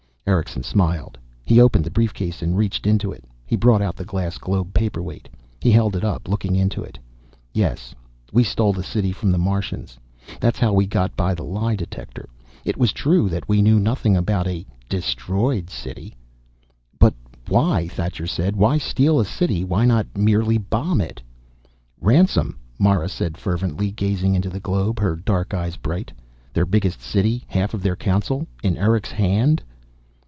Erickson smiled. He opened the briefcase and reaching into it he brought out the glass globe paperweight. He held it up, looking into it. "Yes, we stole the City from the Martians. That's how we got by the lie detector. It was true that we knew nothing about a destroyed City." "But why?" Thacher said. "Why steal a City? Why not merely bomb it?" "Ransom," Mara said fervently, gazing into the globe, her dark eyes bright. "Their biggest City, half of their Council in Erick's hand!"